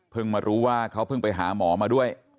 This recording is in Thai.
มารู้ว่าเขาเพิ่งไปหาหมอมาด้วย